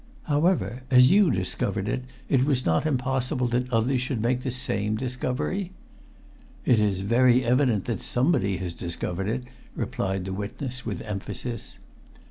"However, as you discovered it, it was not impossible that others should make the same discovery?" "It is very evident that somebody has discovered it!" replied the witness with emphasis.